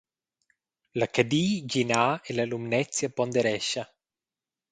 La Cadi gi na e la Lumnezia ponderescha.